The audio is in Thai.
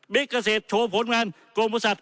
มิกเกษตรโชว์ผลงานกรมศาสตร์